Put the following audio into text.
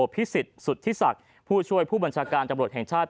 พิสิทธิสุทธิศักดิ์ผู้ช่วยผู้บัญชาการตำรวจแห่งชาติ